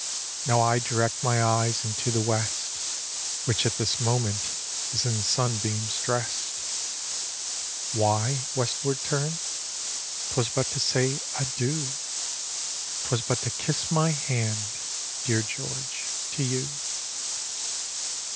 Now I direct my eyes into the west. Which at this moment is in sunbeams drest : Why westward turn ? 'Twas but to say adieu ! 'Twas but to kiss my hand, dear George, to you